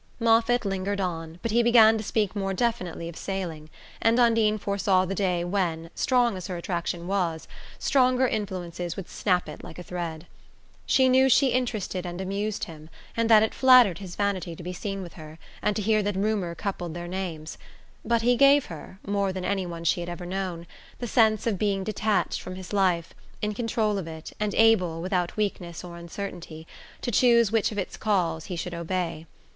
Moffatt lingered on; but he began to speak more definitely of sailing, and Undine foresaw the day when, strong as her attraction was, stronger influences would snap it like a thread. She knew she interested and amused him, and that it flattered his vanity to be seen with her, and to hear that rumour coupled their names; but he gave her, more than any one she had ever known, the sense of being detached from his life, in control of it, and able, without weakness or uncertainty, to choose which of its calls he should obey.